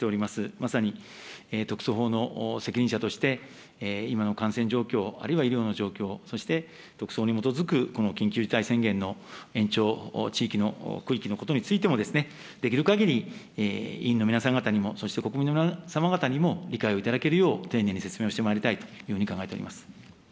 まさに特措法の責任者として今の感染状況、あるいは医療の状況、そして特措法に基づくこの緊急事態宣言の延長、地域の、区域のことについてもですね、できるかぎり委員の皆さん方にも、そして国民の皆様方にも理解をいただけるよう丁寧に説明をしてまいりたいというふうに考えております。